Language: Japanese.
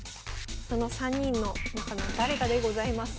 その３人の中の誰かでございます。